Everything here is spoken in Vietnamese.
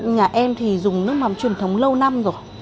nhà em thì dùng nước mắm truyền thống lâu năm rồi